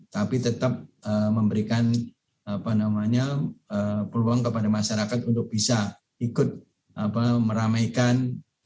tapi tetap memberikan peluang kepada masyarakat untuk bisa ikut meramaikan